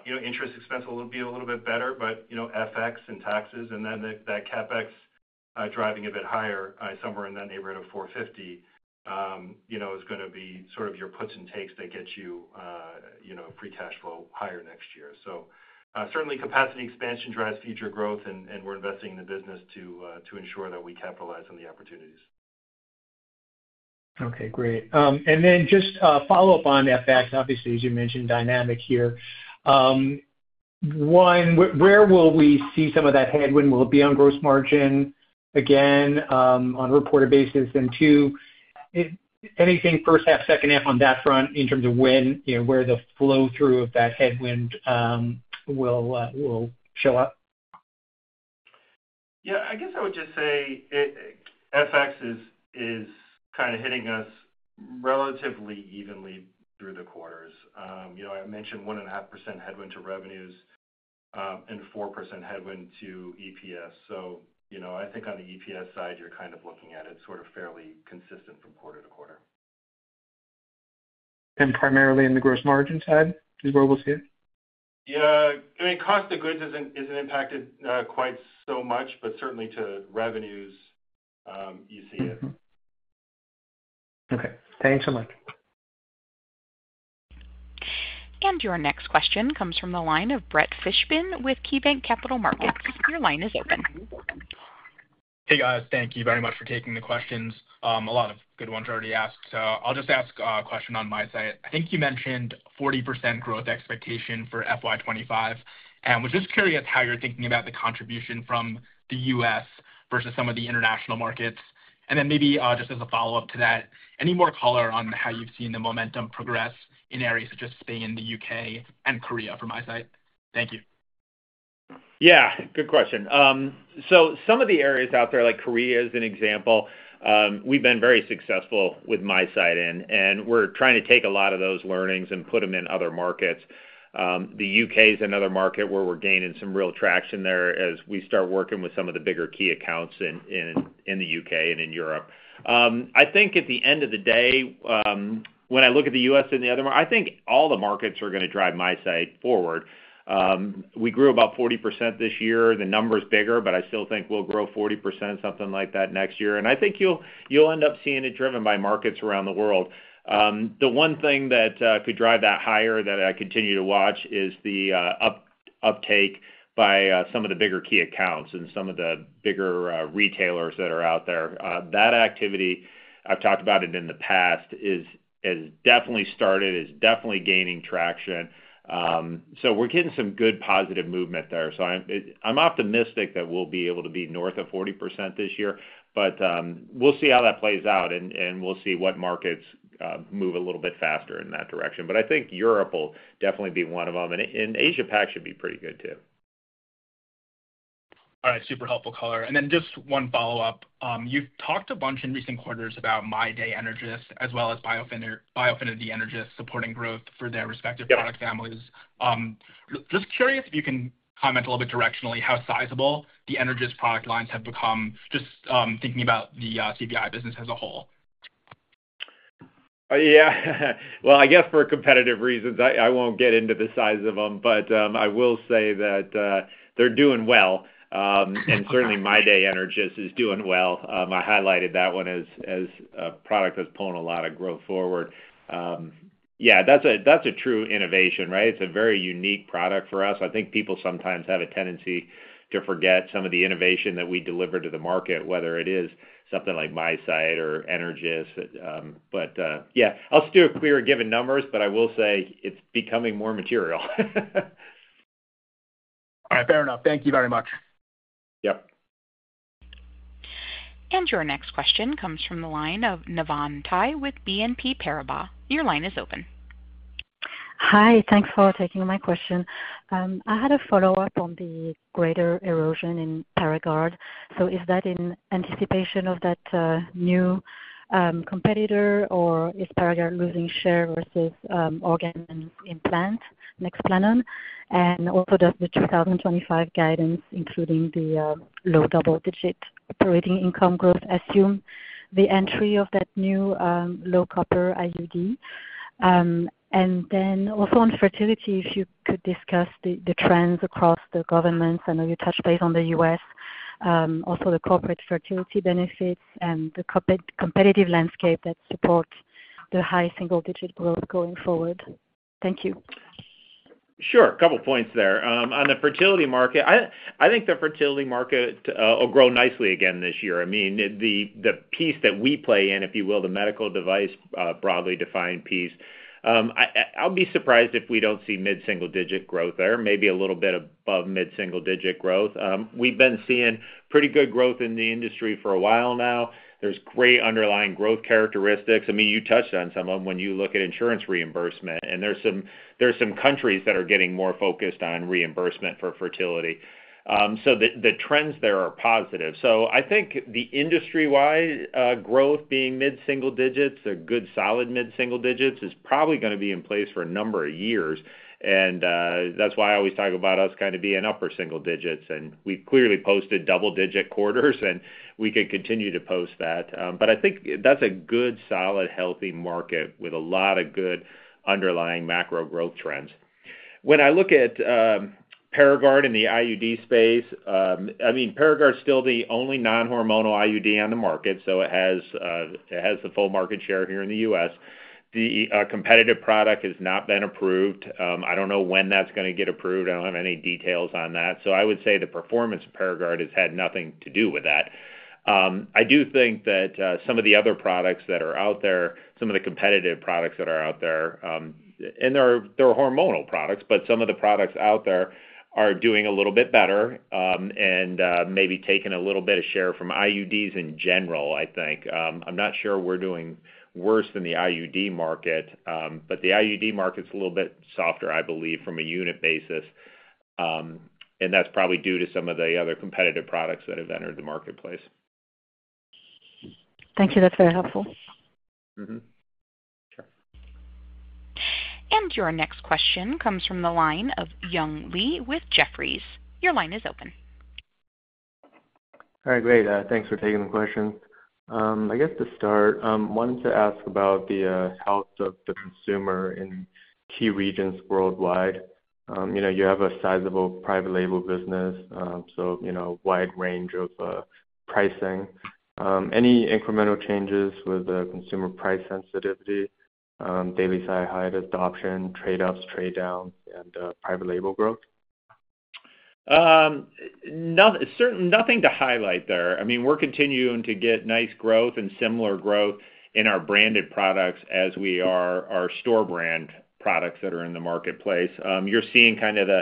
Interest expenses will be a little bit better, but FX and taxes and then that CapEx driving a bit higher somewhere in that neighborhood of 450 is going to be sort of your puts and takes that get you free cash flow higher next year. So certainly, capacity expansion drives future growth, and we're investing in the business to ensure that we capitalize on the opportunities. Okay. Great. And then just follow up on that fact. Obviously, as you mentioned, dynamic here. One, where will we see some of that headwind? Will it be on gross margin again on a reported basis? And two, anything first half, second half on that front in terms of where the flow through of that headwind will show up? Yeah. I guess I would just say FX is kind of hitting us relatively evenly through the quarters. I mentioned 1.5% headwind to revenues and 4% headwind to EPS. So I think on the EPS side, you're kind of looking at it sort of fairly consistent from quarter to quarter. And primarily in the gross margin side is where we'll see it? Yeah. I mean, cost of goods isn't impacted quite so much, but certainly to revenues, you see it. Okay. Thanks so much. And your next question comes from the line of Brett Fishbin with KeyBank Capital Markets. Your line is open. Hey, guys. Thank you very much for taking the questions. A lot of good ones already asked. So I'll just ask a question on my side. I think you mentioned 40% growth expectation for FY25. I was just curious how you're thinking about the contribution from the U.S. versus some of the international markets. Then maybe just as a follow-up to that, any more color on how you've seen the momentum progress in areas such as Spain, the U.K., and Korea for MiSight? Thank you. Yeah. Good question. So some of the areas out there, like Korea as an example, we've been very successful with MiSight in. And we're trying to take a lot of those learnings and put them in other markets. The U.K. is another market where we're gaining some real traction there as we start working with some of the bigger key accounts in the U.K. and in Europe. I think at the end of the day, when I look at the U.S. and the other markets, I think all the markets are going to drive MiSight forward. We grew about 40% this year. The number's bigger, but I still think we'll grow 40%, something like that next year, and I think you'll end up seeing it driven by markets around the world. The one thing that could drive that higher that I continue to watch is the uptake by some of the bigger key accounts and some of the bigger retailers that are out there. That activity, I've talked about it in the past, has definitely started, is definitely gaining traction, so we're getting some good positive movement there, so I'm optimistic that we'll be able to be north of 40% this year, but we'll see how that plays out, and we'll see what markets move a little bit faster in that direction, but I think Europe will definitely be one of them, and Asia-Pac should be pretty good too. All right. Super helpful color. Then just one follow-up. You've talked a bunch in recent quarters about MyDay Energys as well as Biofinity Energys supporting growth for their respective product families. Just curious if you can comment a little bit directionally how sizable the Energys product lines have become, just thinking about the CVI business as a whole. Yeah. Well, I guess for competitive reasons, I won't get into the size of them. But I will say that they're doing well. And certainly, MyDay Energys is doing well. I highlighted that one as a product that's pulling a lot of growth forward. Yeah. That's a true innovation, right? It's a very unique product for us. I think people sometimes have a tendency to forget some of the innovation that we deliver to the market, whether it is something like MiSight or Energys. But yeah, I'll steer clear of giving numbers, but I will say it's becoming more material. All right. Fair enough. Thank you very much. Yep. And your next question comes from the line of Navann Ty with BNP Paribas. Your line is open. Hi. Thanks for taking my question. I had a follow-up on the greater erosion in Paragard. So is that in anticipation of that new competitor, or is Paragard losing share versus Organon and implant Nexplanon? And also, does the 2025 guidance, including the low double-digit operating income growth, assume the entry of that new low copper IUD? And then also on fertility, if you could discuss the trends across geographies. I know you touched base on the U.S., also the corporate fertility benefits and the competitive landscape that supports the high single-digit growth going forward. Thank you. Sure. Couple of points there. On the fertility market, I think the fertility market will grow nicely again this year. I mean, the piece that we play in, if you will, the medical device broadly defined piece, I'll be surprised if we don't see mid-single-digit growth there, maybe a little bit above mid-single-digit growth. We've been seeing pretty good growth in the industry for a while now. There's great underlying growth characteristics. I mean, you touched on some of them when you look at insurance reimbursement. And there's some countries that are getting more focused on reimbursement for fertility. So the trends there are positive. So I think the industry-wide growth being mid-single digits, a good solid mid-single digits is probably going to be in place for a number of years. And that's why I always talk about us kind of being upper single digits. We've clearly posted double-digit quarters, and we can continue to post that. But I think that's a good, solid, healthy market with a lot of good underlying macro growth trends. When I look at Paragard in the IUD space, I mean, Paragard is still the only non-hormonal IUD on the market. So it has the full market share here in the U.S. The competitive product has not been approved. I don't know when that's going to get approved. I don't have any details on that. So I would say the performance of Paragard has had nothing to do with that. I do think that some of the other products that are out there, some of the competitive products that are out there, and they're hormonal products, but some of the products out there are doing a little bit better and maybe taking a little bit of share from IUDs in general, I think. I'm not sure we're doing worse than the IUD market, but the IUD market's a little bit softer, I believe, from a unit basis. And that's probably due to some of the other competitive products that have entered the marketplace. Thank you. That's very helpful. Sure. And your next question comes from the line of Young Li with Jefferies. Your line is open. All right. Great. Thanks for taking the question. I guess to start, I wanted to ask about the health of the consumer in key regions worldwide. You have a sizable private label business, so a wide range of pricing. Any incremental changes with consumer price sensitivity, daily silicone hydrogel adoption, trade-offs, trade-downs, and private label growth? Nothing to highlight there. I mean, we're continuing to get nice growth and similar growth in our branded products as we are our store brand products that are in the marketplace. You're seeing kind of the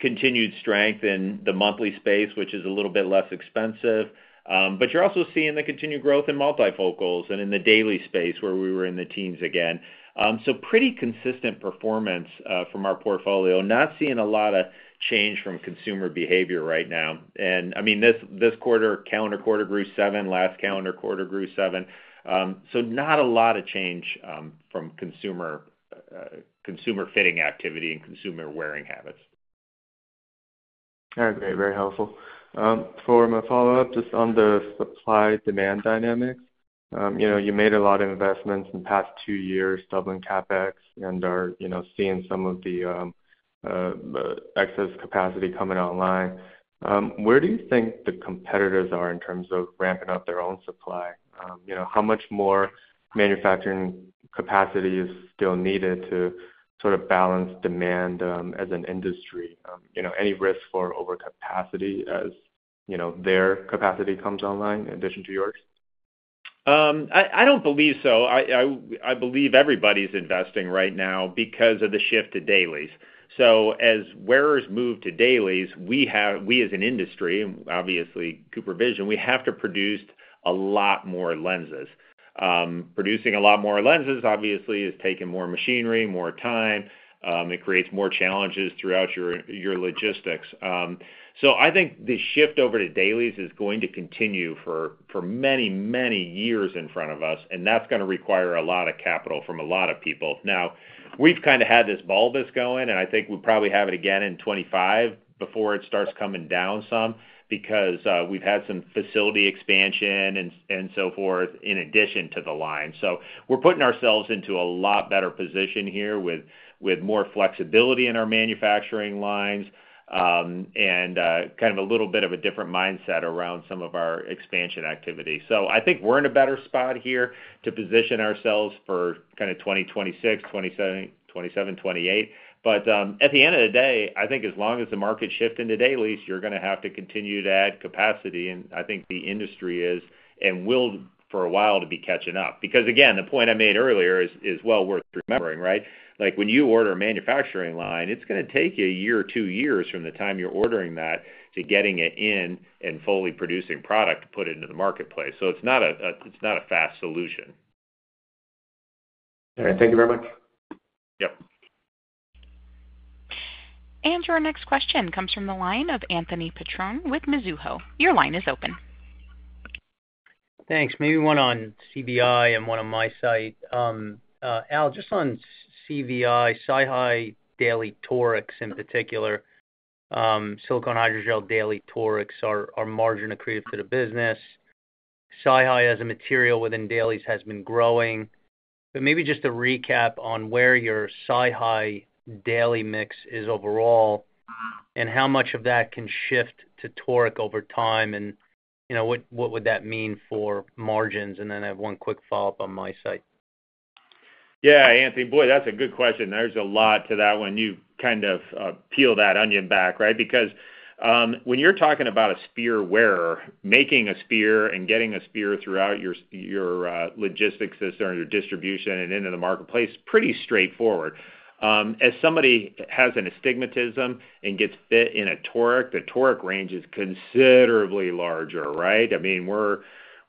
continued strength in the monthly space, which is a little bit less expensive. But you're also seeing the continued growth in multifocals and in the daily space where we were in the teens again. So pretty consistent performance from our portfolio. Not seeing a lot of change from consumer behavior right now. And I mean, this quarter, calendar quarter grew 7%. Last calendar quarter grew 7%. So not a lot of change from consumer fitting activity and consumer wearing habits. All right. Great. Very helpful. For my follow-up, just on the supply-demand dynamics, you made a lot of investments in the past two years, doubling CapEx and seeing some of the excess capacity coming online. Where do you think the competitors are in terms of ramping up their own supply? How much more manufacturing capacity is still needed to sort of balance demand as an industry? Any risk for overcapacity as their capacity comes online in addition to yours? I don't believe so. I believe everybody's investing right now because of the shift to dailies. So as wearers move to dailies, we as an industry, and obviously CooperVision, we have to produce a lot more lenses. Producing a lot more lenses, obviously, is taking more machinery, more time. It creates more challenges throughout your logistics. So I think the shift over to dailies is going to continue for many, many years in front of us. And that's going to require a lot of capital from a lot of people. Now, we've kind of had this bulge going, and I think we'll probably have it again in 2025 before it starts coming down some because we've had some facility expansion and so forth in addition to the line. So we're putting ourselves into a lot better position here with more flexibility in our manufacturing lines and kind of a little bit of a different mindset around some of our expansion activity. So I think we're in a better spot here to position ourselves for kind of 2026, 2027, 2028. But at the end of the day, I think as long as the market's shifting to dailies, you're going to have to continue to add capacity. And I think the industry is and will for a while to be catching up. Because again, the point I made earlier is well worth remembering, right? When you order a manufacturing line, it's going to take you a year or two years from the time you're ordering that to getting it in and fully producing product to put it into the marketplace. So it's not a fast solution. All right. Thank you very much. Yep. And your next question comes from the line of Anthony Petrone with Mizuho. Your line is open. Thanks. Maybe one on CVI and one on MiSight. Al, just on CVI, MyDay daily torics in particular, silicone hydrogel daily torics are margin accretive to the business. MyDay as a material within dailies has been growing. But maybe just a recap on where your MyDay daily mix is overall and how much of that can shift to toric over time and what would that mean for margins? And then I have one quick follow-up on MiSight. Yeah. Anthony, boy, that's a good question. There's a lot to that when you kind of peel that onion back, right? Because when you're talking about a sphere wearer, making a sphere and getting a sphere throughout your logistics system or your distribution and into the marketplace, pretty straightforward. As somebody has an astigmatism and gets fit in a toric, the toric range is considerably larger, right? I mean, we're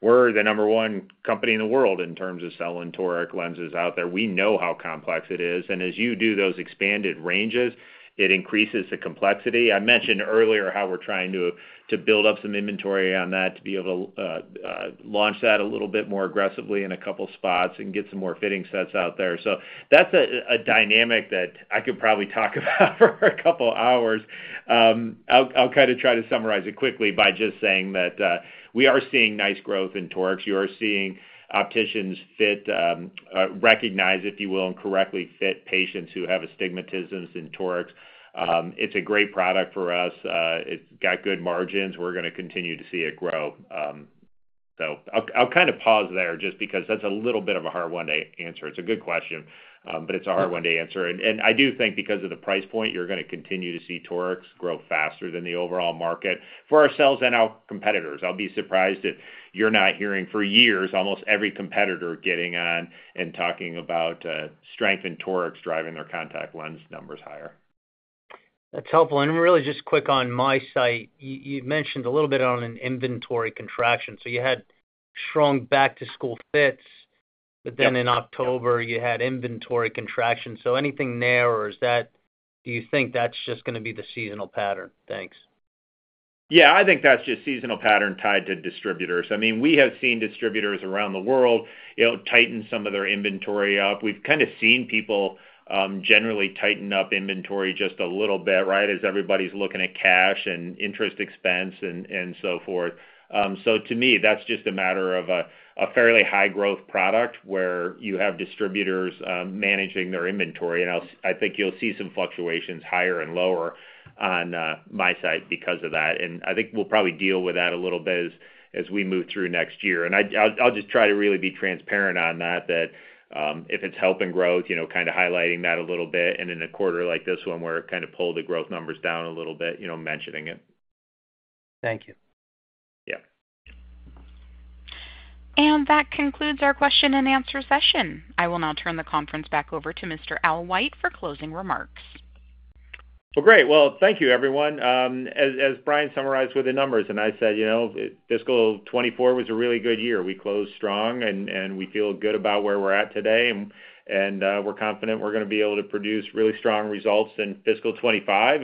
the number one company in the world in terms of selling toric lenses out there. We know how complex it is. And as you do those expanded ranges, it increases the complexity. I mentioned earlier how we're trying to build up some inventory on that to be able to launch that a little bit more aggressively in a couple of spots and get some more fitting sets out there. So that's a dynamic that I could probably talk about for a couple of hours. I'll kind of try to summarize it quickly by just saying that we are seeing nice growth in torics. You are seeing opticians recognize, if you will, and correctly fit patients who have astigmatisms in torics. It's a great product for us. It's got good margins. We're going to continue to see it grow. So I'll kind of pause there just because that's a little bit of a hard one to answer. It's a good question, but it's a hard one to answer. And I do think because of the price point, you're going to continue to see torics grow faster than the overall market for ourselves and our competitors. I'll be surprised if you're not hearing for years almost every competitor getting on and talking about strength in torics driving their contact lens numbers higher. That's helpful. And really just quick on MiSight, you mentioned a little bit on an inventory contraction. So you had strong back-to-school fits, but then in October, you had inventory contraction. So anything there or do you think that's just going to be the seasonal pattern? Thanks. Yeah. I think that's just seasonal pattern tied to distributors. I mean, we have seen distributors around the world tighten some of their inventory up. We've kind of seen people generally tighten up inventory just a little bit, right, as everybody's looking at cash and interest expense and so forth. So to me, that's just a matter of a fairly high-growth product where you have distributors managing their inventory. And I think you'll see some fluctuations higher and lower on MiSight because of that. And I think we'll probably deal with that a little bit as we move through next year. And I'll just try to really be transparent on that, that if it's helping growth, kind of highlighting that a little bit. And in a quarter like this one, we're kind of pulling the growth numbers down a little bit, mentioning it. Thank you. Yeah. And that concludes our question and answer session. I will now turn the conference back over to Mr. Al White for closing remarks. Well, great. Well, thank you, everyone. As Brian summarized with the numbers, and I said fiscal 2024 was a really good year. We closed strong, and we feel good about where we're at today. And we're confident we're going to be able to produce really strong results in fiscal 2025.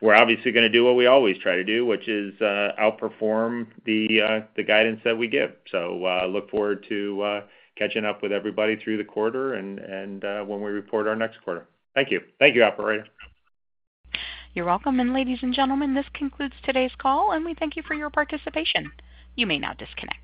And we're obviously going to do what we always try to do, which is outperform the guidance that we give. So look forward to catching up with everybody through the quarter and when we report our next quarter. Thank you. Thank you, Al White. You're welcome. And ladies and gentlemen, this concludes today's call, and we thank you for your participation. You may now disconnect.